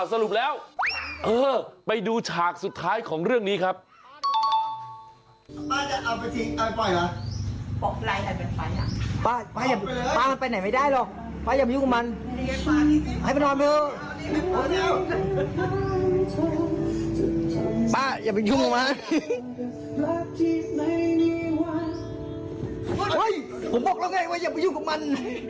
ผมบอกแล้วไงว่าอย่าไปยุ่งกับมัน